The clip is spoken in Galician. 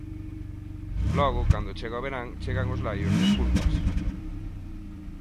Logo, cando chega o verán, chegan os laios e as culpas.